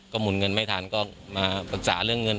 หมุนเงินไม่ทันก็มาปรึกษาเรื่องเงิน